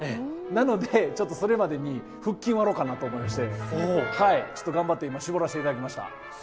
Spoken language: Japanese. なのでそれまでに腹筋割ろうかなと思いまして、ちょっと頑張って今、絞らせてもらいました。